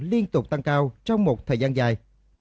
liên tục tăng cao trong một thời gian dài